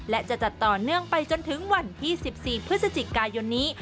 และจะจัดต่อเนื่องไปจนถึงวันที่๑๔พฤศจิกายนนี้